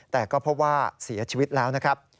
แต่ก็พบว่าเสียชีวิตแล้วนะครับ